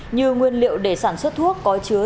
như nguyên liệu để sản xuất thuốc có chứa